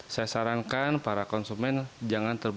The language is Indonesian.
saya sarankan para konsumen jangan terlalu